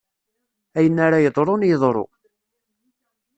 Ayen ara yeḍrun, yeḍru.